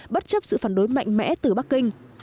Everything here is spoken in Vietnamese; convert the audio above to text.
bất chấp sự phản đối mạnh mẽ từ bắc kinh